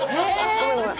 「ごめんごめん。